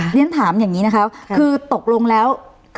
เรียนถามอย่างนี้นะคะคือตกลงแล้ว